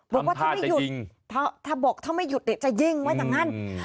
บอกว่าถ้าไม่หยุดจะยิงไว้ทางนั้น